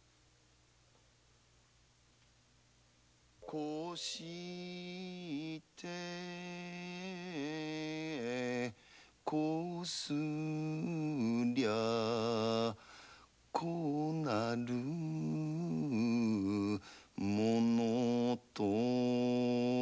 「こうしてこうすりゃこうなるものと」